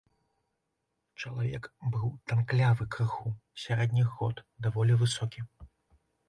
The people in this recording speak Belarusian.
Чалавек быў танклявы крыху, сярэдніх год, даволі высокі.